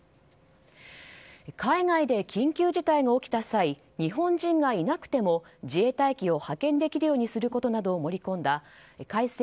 海外で緊急事態が起きた際日本人がいなくても自衛隊機を派遣できるようにすることなどを盛り込んだ改正